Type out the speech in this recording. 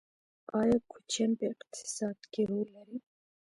آیا کوچیان په اقتصاد کې رول لري؟